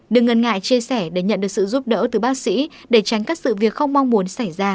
đừng ngần ngại chia sẻ để nhận được sự giúp đỡ từ bác sĩ để tránh các sự việc không mong muốn xảy ra